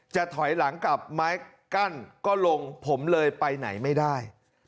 ถอยหลังกับไม้กั้นก็ลงผมเลยไปไหนไม่ได้